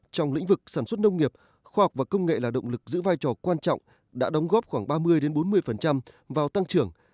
trong lĩnh vực sản xuất nông nghiệp khoa học và công nghệ là động lực giữ vai trò quan trọng đã đóng góp khoảng ba mươi bốn mươi vào tăng trưởng